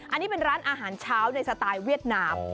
อันนี้เป็นร้านอาหารเช้าในสไตล์เวียดนาม